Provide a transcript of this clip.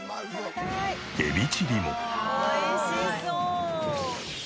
エビチリも。